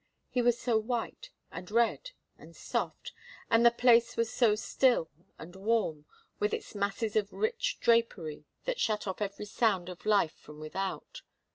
He was so white and red and soft, and the place was so still and warm, with its masses of rich drapery that shut off every sound of life from without.